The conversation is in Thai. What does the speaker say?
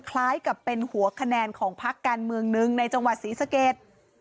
คล้ายกับเป็นหัวคะแนนของพักการเมืองหนึ่งในจังหวัดศรีสะเกด